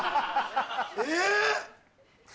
え！